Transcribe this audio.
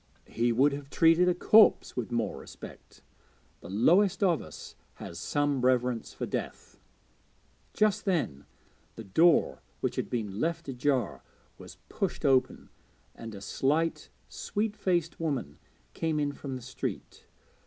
He would have treated a corpse with more respect: the lowest of us has some reverence for death. Just then the door, which had been left ajar, was pushed open, and a slight, sweet faced woman came in from the street.